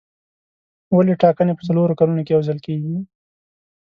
ولې ټاکنې په څلورو کلونو کې یو ځل کېږي.